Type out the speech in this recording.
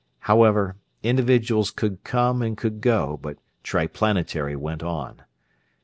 However, individuals could came and could go, but Triplanetary went on.